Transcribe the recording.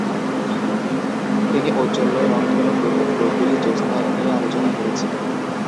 তিনি ঔজ্জ্বল্য, রংধনু, গ্রহণ, গোধুলি, জ্যোৎস্না নিয়ে আলোচনা করেছেন।